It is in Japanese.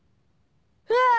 あ。